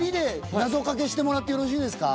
してもらってよろしいですか。